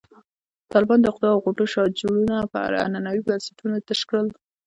طالبانو د عقدو او غوټو شاجورونه پر عنعنوي بنسټونو تش کړل.